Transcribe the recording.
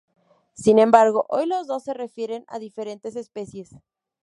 Sin embargo, hoy los dos se refieren a diferentes especies.